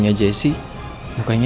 aku cabut duluan ya